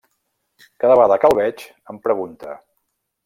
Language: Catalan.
Cada vegada que el veig, em pregunta: